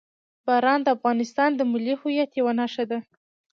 باران د افغانستان د ملي هویت یوه نښه ده.